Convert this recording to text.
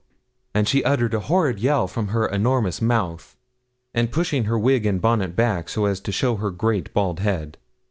And she uttered a horrid yell from her enormous mouth, and pushing her wig and bonnet back, so as to show her great, bald head.